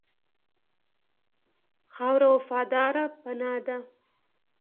خاوره وفاداره پناه ده.